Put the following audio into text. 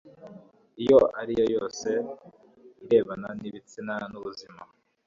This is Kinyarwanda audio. iyo ariyo yose irebana n'ibitsina n'ubuzima